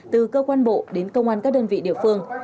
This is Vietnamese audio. từ cơ quan bộ đến công an các đơn vị địa phương